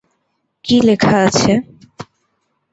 কী লেখা আছে?